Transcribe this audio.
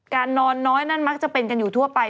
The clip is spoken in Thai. นอนน้อยนั่นมักจะเป็นกันอยู่ทั่วไป